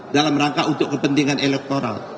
dalam rangka untuk kepentingan elektoral